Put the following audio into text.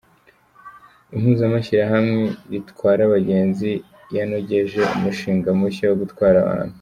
Impuzamashyirahamwe Ritwara Abagenzi yanogeje umushinga mushya mu gutwara abantu